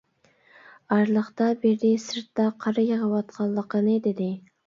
ئارىلىقتا بىرى سىرتتا قار يېغىۋاتقانلىقىنى دېدى.